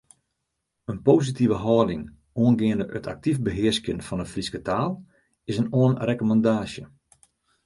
In positive hâlding oangeande it aktyf behearskjen fan de Fryske taal is in oanrekommandaasje.